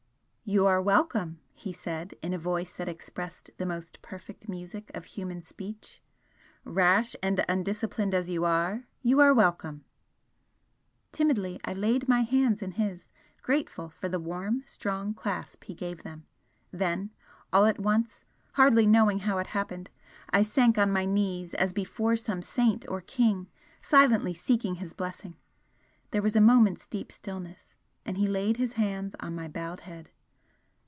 "You are welcome!" he said, in a voice that expressed the most perfect music of human speech "Rash and undisciplined as you are, you are welcome!" Timidly I laid my hands in his, grateful for the warm, strong clasp he gave them, then, all at once, hardly knowing how it happened, I sank on my knees as before some saint or king, silently seeking his blessing. There was a moment's deep stillness, and he laid his hands on my bowed head.